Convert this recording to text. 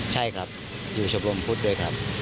ใช่ครับอยู่ชมรมพุทธด้วยครับ